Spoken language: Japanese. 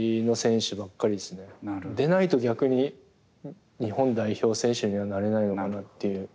でないと逆に日本代表選手にはなれないのかなっていう。